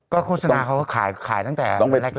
โฆษณาเขาก็ขายตั้งแต่แรก